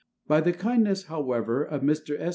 By the kindness, however, of Mr. S.